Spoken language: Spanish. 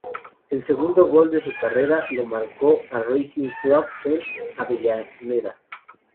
El segundo gol de su carrera lo marcó a Racing Club en Avellaneda.